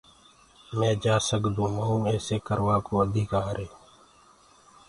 مي جآ سگدونٚ مئونٚ ايسيٚ ڪروآ ڪو اڌيڪآر هي